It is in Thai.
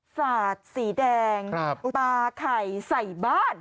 สาดสีแดงปลาไข่ใส่บ้าน